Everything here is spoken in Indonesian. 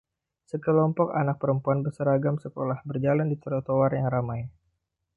Sekelompok anak perempuan berseragam sekolah berjalan di trotoar yang ramai.